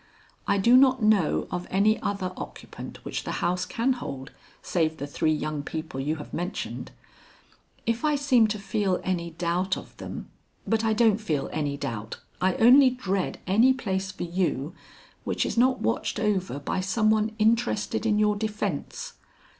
I do not know of any other occupant which the house can hold save the three young people you have mentioned. If I seem to feel any doubt of them but I don't feel any doubt. I only dread any place for you which is not watched over by someone interested in your defence.